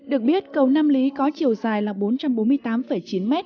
được biết cầu nam lý có chiều dài là bốn trăm bốn mươi tám chín m